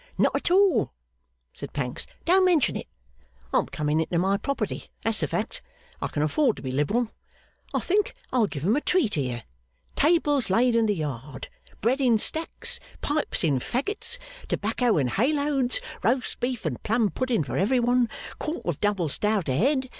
'Not at all,' said Pancks. 'Don't mention it. I'm coming into my property, that's the fact. I can afford to be liberal. I think I'll give 'em a treat here. Tables laid in the yard. Bread in stacks. Pipes in faggots. Tobacco in hayloads. Roast beef and plum pudding for every one. Quart of double stout a head.